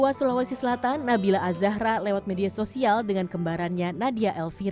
remaja asal gua sulawesi selatan nabila azahra lewat media sosial dengan kembarannya nadia elvira